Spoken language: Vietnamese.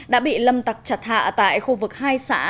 đã bị lâm tặc chặt hạ tại khu vực hai xã